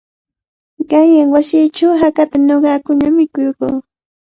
Qanyan wasiichaw hakata ñuqakuna mikurquu.